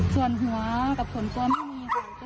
ส่วนหัวกับส่วนตัวไม่มีค่ะ